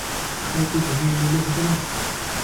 আরেকটু ঘুমিয়ে নিলে হত না?